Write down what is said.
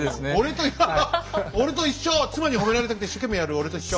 妻に褒められたくて一生懸命やる俺と一緒。